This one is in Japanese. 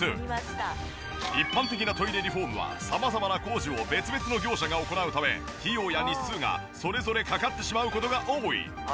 一般的なトイレリフォームは様々な工事を別々の業者が行うため費用や日数がそれぞれかかってしまう事が多い。